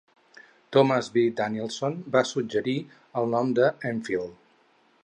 Thomas B. Donaldson va suggerir el nom Enfield.